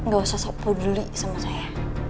gak usah peduli sama saya